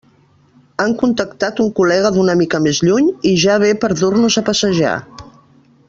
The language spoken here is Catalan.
Han contactat un col·lega d'una mica més lluny i ja ve per dur-nos a passejar.